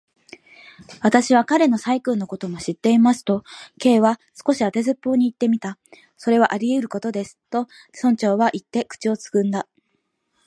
「私は彼の細君のことも知っています」と、Ｋ は少し当てずっぽうにいってみた。「それはありうることです」と、村長はいって、口をつぐんだ。